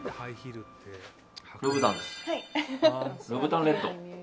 ルブタンレッド。